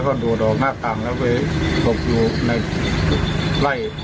อ๋อเจ้าสีสุข่าวของสิ้นพอได้ด้วย